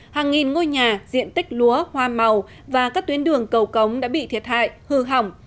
hàng nghìn ngôi nhà diện tích lúa hoa màu và các tuyến đường cầu cống đã bị thiệt hại hư hỏng